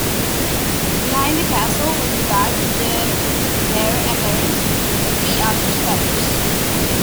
Behind the castle was the badge of the heir apparent: three ostrich feathers.